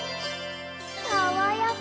さわやか。